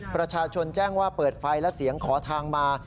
ประชาชนแจ้งว่าเปิดไฟและเสียงขอทางมา